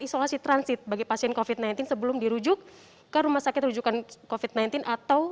isolasi transit bagi pasien kofit mainin sebelum dirujuk ke rumah sakit rujukan kofit mainin atau